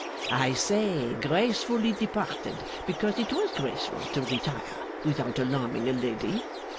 'I say, gracefully departed, because it was graceful to retire without alarming a lady.